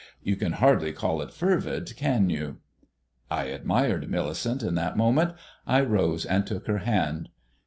You can hardly call it fervid, can you?" I admired Millicent in that moment. I rose and took her hand.